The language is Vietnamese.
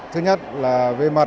thứ nhất là về mặt